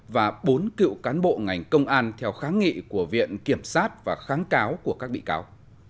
và bốn cựu cán bộ ngành công an theo kháng nghị của viện kiểm sát và kháng cáo của các bị cáo